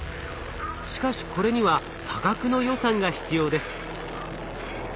しかしこれには多額の予算が必要です。